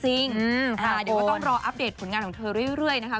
เดี๋ยวก็ต้องรออัปเดตผลงานของเธอเรื่อยนะคะ